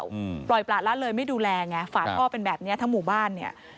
อืมปล่อยประละเลยไม่ดูแลไงฝากพ่อเป็นแบบเนี้ยทั้งหมู่บ้านเนี้ย